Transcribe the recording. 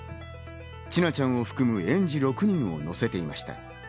千奈ちゃんを含む園児６人を乗せていました。